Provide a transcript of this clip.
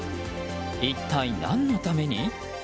一体何のために？